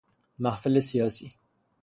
محفل سیاسی